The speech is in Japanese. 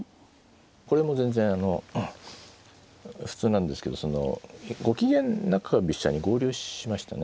これも全然普通なんですけどそのゴキゲン中飛車に合流しましたね。